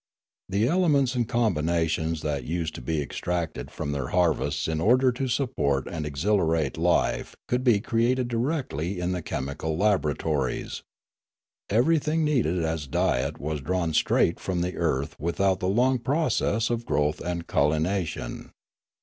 The elements and combinations that used to be extracted from their harvests in order to support and exhilarate life could be created directly in the chemical laboratories. Everything needed as diet was drawn straight from the earth without the long pro cess of growth and culination.